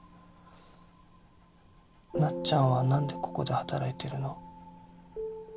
なっちゃんはなんでここで働いてるの？